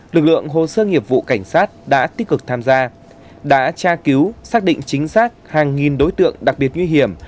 lực lượng hồ sơ nghiệp vụ cảnh sát đã tích cực tham gia đã tra cứu xác định chính xác hàng nghìn đối tượng đặc biệt nguy hiểm